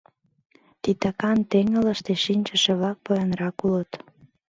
Титакан теҥгылыште шинчыше-влак поянрак улыт.